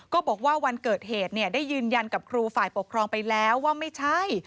บอกว่าวันเกิดเหตุได้ยืนยันกับครูฝ่ายปกครองไปแล้วว่าไม่ใช่